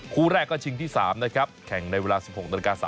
คู่แรกก็ชิงที่๓นะครับแข่งในเวลา๑๖นาฬิกา